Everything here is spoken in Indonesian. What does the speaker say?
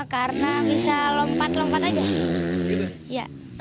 karena bisa lompat lompat aja